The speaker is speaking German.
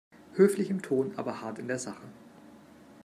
Höflich im Ton, aber hart in der Sache.